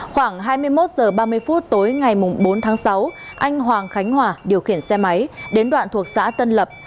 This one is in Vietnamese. khoảng hai mươi một h ba mươi phút tối ngày bốn tháng sáu anh hoàng khánh hòa điều khiển xe máy đến đoạn thuộc xã tân lập